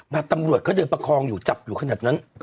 ตำรวจเขาเดินประคองอยู่จับอยู่ขนาดนั้น